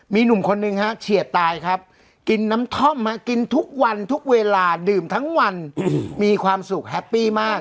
มีหนุ่มคนหนึ่งฮะเฉียดตายครับกินน้ำท่อมกินทุกวันทุกเวลาดื่มทั้งวันมีความสุขแฮปปี้มาก